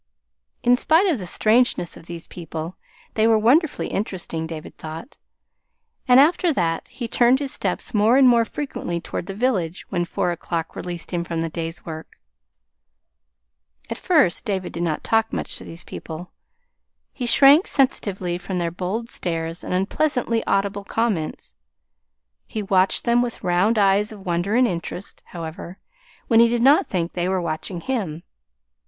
In spite of the strangeness of these people, they were wonderfully interesting, David thought. And after that he turned his steps more and more frequently toward the village when four o'clock released him from the day's work. At first David did not talk much to these people. He shrank sensitively from their bold stares and unpleasantly audible comments. He watched them with round eyes of wonder and interest, however, when he did not think they were watching him.